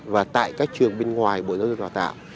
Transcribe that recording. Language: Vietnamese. và tại các trường bên ngoài bộ giáo dục đào tạo